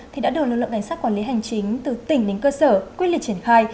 thì đã được lực lượng cảnh sát quản lý hành chính từ tỉnh đến cơ sở quyết liệt triển khai